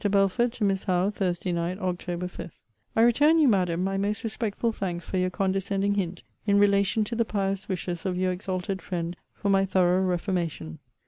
BELFORD, TO MISS HOWE THURSDAY NIGHT, OCT. 5. I return you, Madam, my most respectful thanks for your condescending hint, in relation to the pious wishes of your exalted friend for my thorough reformation.